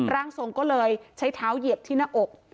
ร่างทรงก็เลยใช้เท้าเหยียบที่หน้าอก